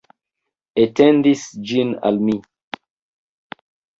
Etendis ĝin al mi.